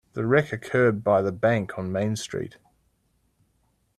The wreck occurred by the bank on Main Street.